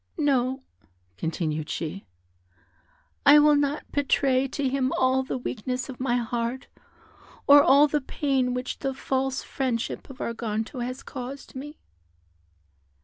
"No," continued she, "I will not betray to him all the weakness of my heart, or all the pain which the false friendship of Arganto has caused me."